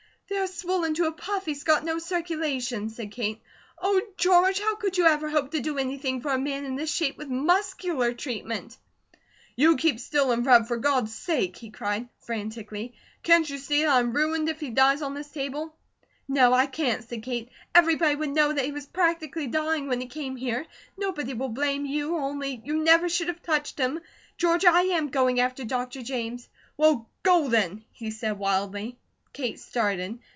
"They are swollen to a puff, he's got no circulation," said Kate. "Oh, George, how could you ever hope to do anything for a man in this shape, with MUSCULAR treatment?" "You keep still and rub, for God's sake," he cried, frantically. "Can't you see that I am ruined if he dies on this table?" "No, I can't," said Kate. "Everybody would know that he was practically dying when he came here. Nobody will blame you, only, you never should have touched him! George, I AM going after Dr. James." "Well, go then," he said wildly. Kate started.